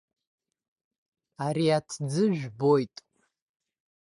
Ари аҭӡы жәбоит.